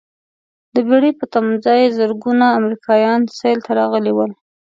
د بېړۍ په تمځاې زرګونه امریکایان سیل ته راغلي ول.